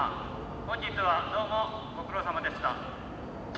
本日はどうもご苦労さまでした。